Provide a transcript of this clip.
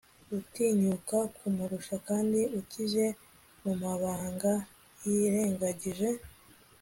Gutinyuka kumurusha kandi ukize mumabanga yirengagije